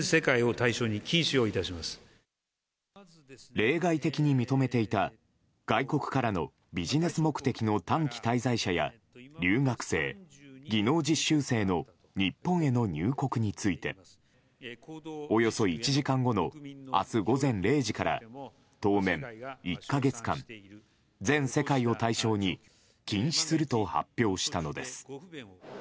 例外的に認めていた外国からのビジネス目的の短期滞在者や留学生、技能実習生の日本への入国についておよそ１時間後の明日午前０時から当面１か月間全世界を対象に禁止すると発表したのです。